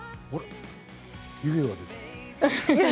湯気が出た。